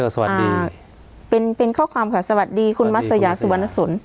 สวัสดีเป็นเป็นข้อความค่ะสวัสดีคุณมัศยาสุวรรณสน